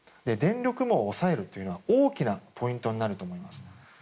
電力網を押さえるというのは大きなポイントになると思います。